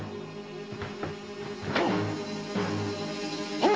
あっ⁉